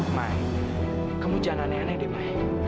ma kamu jangan aneh aneh deh ma